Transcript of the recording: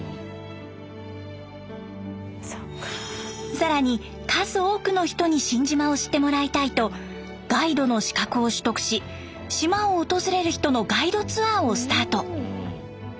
更に数多くの人に新島を知ってもらいたいとガイドの資格を取得し島を訪れる人のガイドツアーをスタート。